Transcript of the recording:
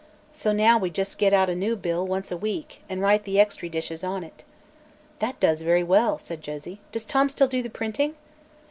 So now we jus' get out a new bill once a week, an' write the extry dishes on it." "That does very well," said Josie. "Does Tom still do the printing?"